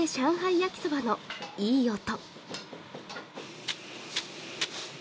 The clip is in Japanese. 焼きそばのいい音。